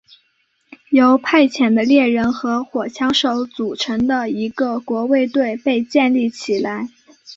由派遣的猎人和火枪手组成的一个国卫队被建立起来。